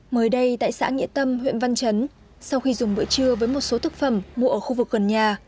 mới đây tại xã nghĩa tâm huyện văn chấn sau khi dùng bữa trưa với một số thực phẩm mua ở khu vực gần nhà